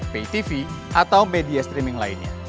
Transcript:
paytv atau media streaming lainnya